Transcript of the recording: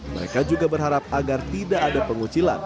mereka juga berharap agar tidak ada pengucilan